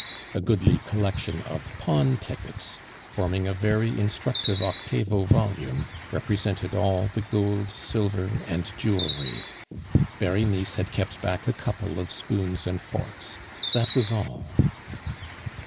A goodly collection of pawntickets, forming a very instructive octavo volume, represented all the gold, silver, and jewelry. Berenice had kept back a couple of spoons and forks, that was all.